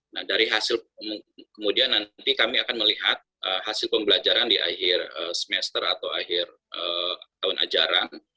nah dari hasil kemudian nanti kami akan melihat hasil pembelajaran di akhir semester atau akhir tahun ajaran